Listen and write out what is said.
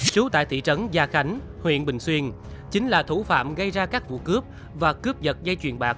trú tại thị trấn gia khánh huyện bình xuyên chính là thủ phạm gây ra các vụ cướp và cướp giật dây chuyền bạc